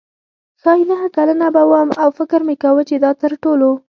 ښايي نهه کلنه به وم او فکر مې کاوه چې دا تر ټولو.